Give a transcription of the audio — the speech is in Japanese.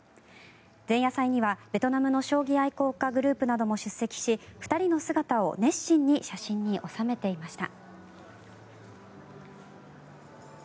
前夜祭にはベトナムの将棋愛好家グループなども出席し２人の姿を熱心に写真に収めていました。